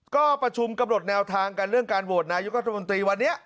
ก็ประชุมกำหนดแนวทางกันเรื่องการโหวตนายุทธมนตรีวันนี้